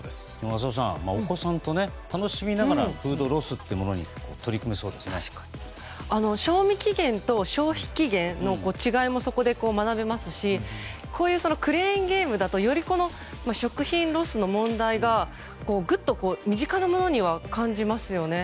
浅尾さん、お子さんと楽しみながらフードロス解消に賞味期限と消費期限の違いもそこで学べますしこういうクレーンゲームだとより食品ロスの問題がぐっと身近なものには感じますよね。